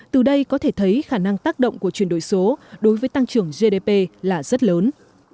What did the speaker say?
từ đây có thể thấy khả năng tác động của chuyển đổi số đối với tăng trưởng gdp là rất lớn